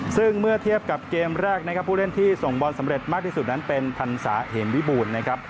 ซึ่งเมื่อเทียบกับเกมแรกนะครับผู้เล่นที่ส่งบอลสำเร็จมากที่สุดนั้นเป็นพันศาเหมวิบูรณ์นะครับ